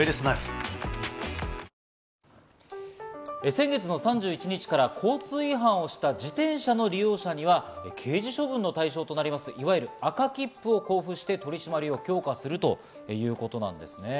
先月の３１日から交通違反をした自転車の利用者には刑事処分の対象となります、いわゆる赤切符を交付して取り締まりを強化するということなんです。